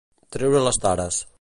Treure les tares.